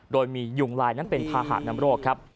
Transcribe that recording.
โดยมียุงลายนั้นเป็นภาหะน้ำโรคครับ